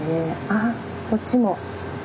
ああこっちも。